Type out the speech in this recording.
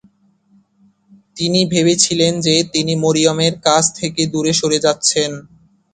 তিনি ভেবেছিলেন যে, তিনি মরিয়মের কাছ থেকে দূরে সরে যাচ্ছেন।